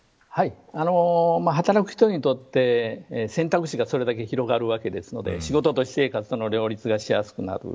働く人にとって選択肢がそれだけ広がるわけですので仕事と私生活の両立がしやすくなる。